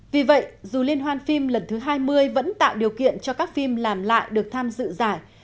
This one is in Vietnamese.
vì vậy dù liên hoan phim lần thứ hai mươi vẫn tạo điều kiện cho các phim làm lại được tham dự giải